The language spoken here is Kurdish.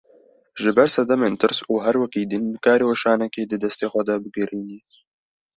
Ji ber sedemên tirs û herwekî din, nikare weşanekê di destê xwe de bigerîne